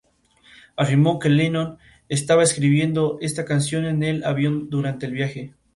Afirmó que Lennon estaba escribiendo esta canción en el avión durante el viaje.